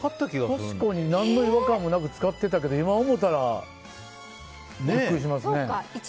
確かに僕も何の違和感もなく使ってたけど今思うたらビックリしますね。